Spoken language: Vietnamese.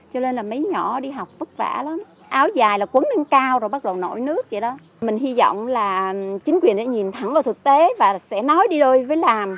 hi vọng là chính quyền sẽ nhìn thẳng vào thực tế và sẽ nói đi đôi với làm